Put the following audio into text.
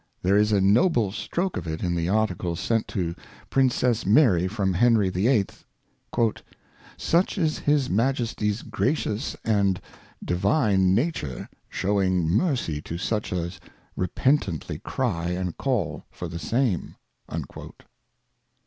There is a noble Stroke of it in the Articles sent to Princess Mary from Henry VIII. 'Such is his Majesty's Gracious and 'Divine Nature — shewing Mercj^to such as repentantly cry and ' call for the same.'